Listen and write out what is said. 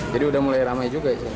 jadi sudah mulai ramai juga